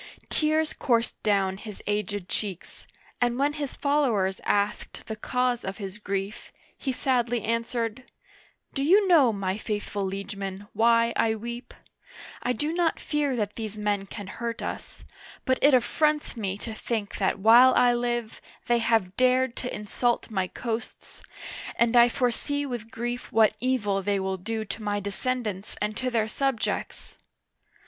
Tears coursed down his aged cheeks, and when his followers asked the cause of his grief, he sadly answered :" Do you know, my faithful liegemen, why I weep ? I do not fear that these men can hurt us, but it affronts me to think that while I live, they have dared to insult my coasts, and I foresee with grief what evil they will do to my descendants and to their subjects